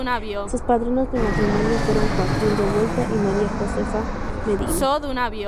Sus padrinos de matrimonio fueron Joaquín Revuelta y María Josefa Medina.